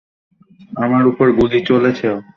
আমার উপর গুলি চলেছে।